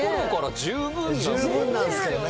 十分なんすけどね。